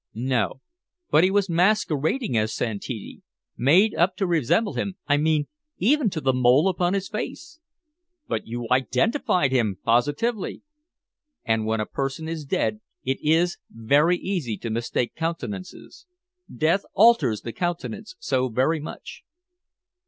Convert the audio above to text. "No. But he was masquerading as Santini made up to resemble him, I mean, even to the mole upon his face." "But you identified him positively?" "When a person is dead it is very easy to mistake countenances. Death alters the countenance so very much."